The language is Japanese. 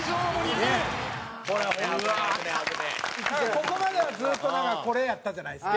ここまではずっとこれやったじゃないですか。